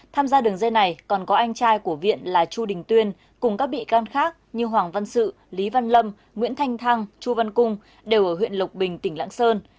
tham gia đường dây này còn có anh trai của viện là chu đình tuyên cùng các bị can khác như hoàng văn sự lý văn lâm nguyễn thanh thăng chu văn cung đều ở huyện lộc bình tỉnh lạng sơn